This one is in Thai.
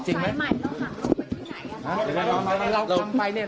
ของสายใหม่เราหังลูกไปที่ไหน